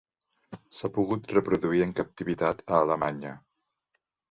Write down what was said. S'ha pogut reproduir en captivitat a Alemanya.